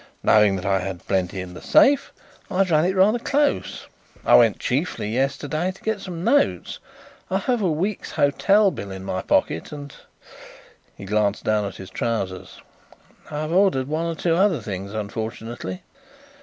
Knowing that I had plenty in the safe, I had run it rather close. I went chiefly yesterday to get some notes. I have a week's hotel bill in my pocket, and" he glanced down at his trousers "I've ordered one or two other things unfortunately."